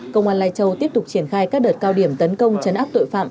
công an lai châu tiếp tục triển khai các đợt cao điểm tấn công chấn áp tội phạm